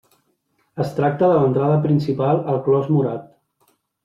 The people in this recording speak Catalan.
Es tracta de l'entrada principal al clos murat.